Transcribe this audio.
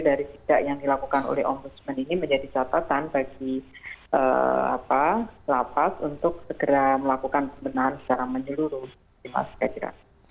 jadi dari siksa yang dilakukan oleh ombudsman ini menjadi catatan bagi lapas untuk segera melakukan benar secara menyeluruh